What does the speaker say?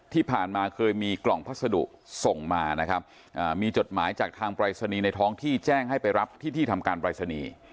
ที่ผ่านมาเคยมีกล่องพัสดุส่งมานะครับมีจดหมายจากทางปรายศนีย์ในท้องที่แจ้งให้ไปรับที่ที่ทำการปรายศนีย์